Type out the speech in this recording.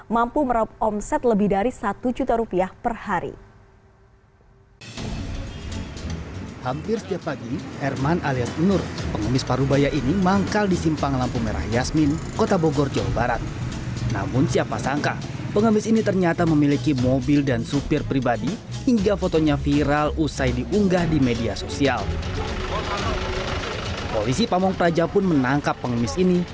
mampu merob omzet lebih dari satu juta rupiah per hari